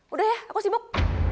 udah ya aku sibuk